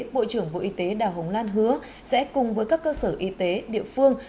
bộ trưởng bộ y tế đào hồng lan hứa sẽ cùng với các cơ sở y tế địa phương